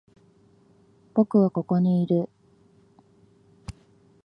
僕はここにいる。